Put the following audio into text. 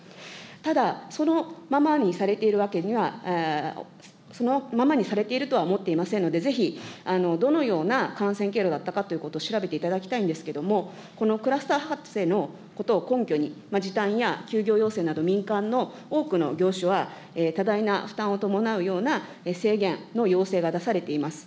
ただ、そのままにされているわけには、そのままにされているとは思っていませんので、ぜひどのような感染経路だったかということを調べていただきたいんですけれども、このクラスター発生のことを根拠に、時短や休業要請など、民間の多くの業種は多大な負担を伴うような制限の要請が出されています。